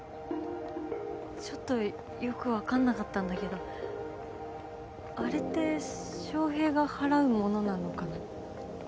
ちょっとよく分かんなかったんだけどあれって翔平が払うものなのかな？